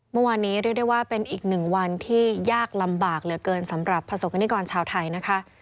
เมื่อวานนี้เรียกได้ว่าเป็นอีกหนึ่งวันที่ยากลำบากเหลือเกินสำหรับประสบกรณิกรชาวไทยนะคะ